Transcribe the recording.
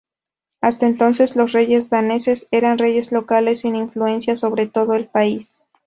Hasta entonces, los reyes daneses eran reyes locales sin influencia sobre todo el país.